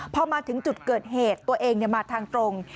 พอมาถึงจุดเกิดเหตุตัวเองมาทางตรง